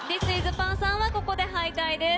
パンさんはここで敗退です。